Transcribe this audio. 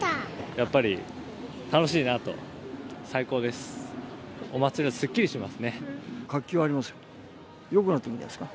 やっぱり楽しいなと、最高です。